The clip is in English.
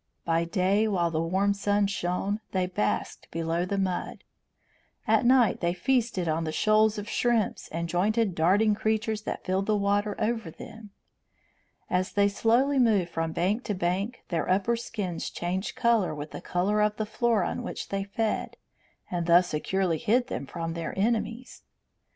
By day, while the warm sun shone, they basked below the mud. At night they feasted on the shoals of shrimps and jointed darting creatures that filled the water over them. As they slowly moved from bank to bank their upper skins changed colour with the colour of the floor on which they fed, and thus securely hid them from their enemies.